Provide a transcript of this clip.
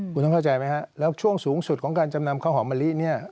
คุณต้องเข้าใจไหมฮะแล้วช่วงสูงสุดของการจำนำข้าวหอมมะลิเนี่ย